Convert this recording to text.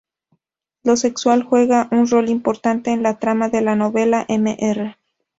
Lo sexual juega un rol importante en la trama de la novela; Mr.